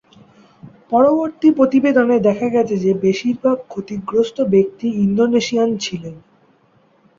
পরবর্তী প্রতিবেদনে দেখা গেছে যে বেশিরভাগ ক্ষতিগ্রস্ত ব্যক্তি ইন্দোনেশিয়ান ছিলেন।